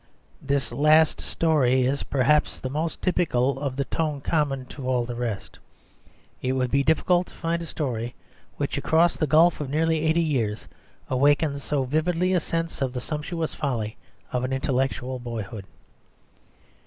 This last story is perhaps the most typical of the tone common to all the rest; it would be difficult to find a story which across the gulf of nearly eighty years awakens so vividly a sense of the sumptuous folly of an intellectual boyhood.